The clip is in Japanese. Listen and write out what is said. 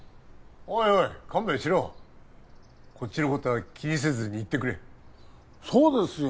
おいおい勘弁しろこっちのことは気にせずに行ってくれそうですよ